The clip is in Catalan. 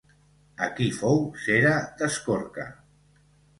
Aquí fou s'era d'Escorca.